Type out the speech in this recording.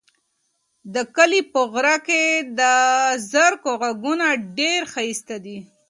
د کلي په غره کې د زرکو غږونه ډېر ښایسته دي.